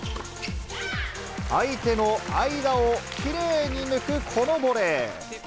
相手の間をきれいに抜く、このボレー。